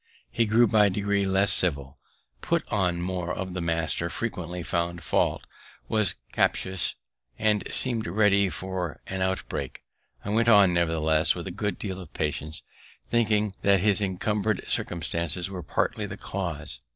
He grew by degrees less civil, put on more of the master, frequently found fault, was captious, and seem'd ready for an outbreaking. I went on, nevertheless, with a good deal of patience, thinking that his encumber'd circumstances were partly the cause.